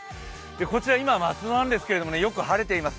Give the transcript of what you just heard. こちら今、松戸なんですけどよく晴れています。